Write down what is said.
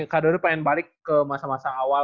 kak dodo pengen balik ke masa masa awal